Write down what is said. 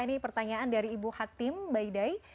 ini pertanyaan dari ibu hatim baidai